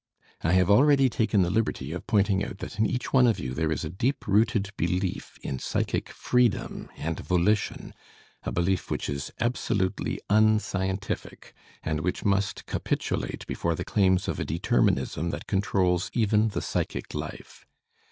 I have already taken the liberty of pointing out that in each one of you there is a deep rooted belief in psychic freedom and volition, a belief which is absolutely unscientific, and which must capitulate before the claims of a determinism that controls even the psychic life.